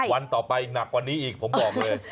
วันต่อไปหนักกว่านี้อีกผมบอกเลย